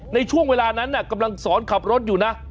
ในช่วงเวลานั้นกำลังสอนขับรถอยู่นะ